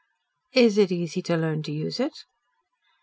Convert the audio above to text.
"Is it easy to learn to use it?"